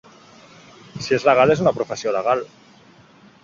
Si és legal, és una professió legal.